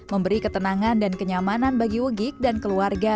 memberi ketenangan dan kenyamanan bagi wgik dan keluarga